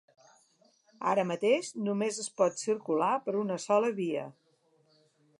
Ara mateix només es pot circular per una sola via.